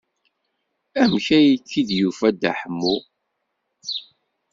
Amek ay k-id-yufa Dda Ḥemmu?